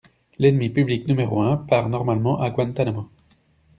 L'ennemi public numéro un part normalement à Guantanamo.